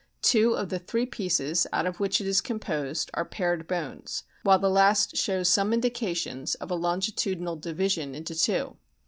Two of the three pieces out of which it is composed are paired bones, while the last shows some indications of a longitudinal division into two.